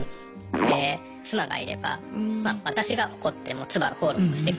で妻がいれば私が怒っても妻がフォローをしてくれるだとか。